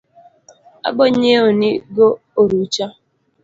Abo nyieo ni go orucha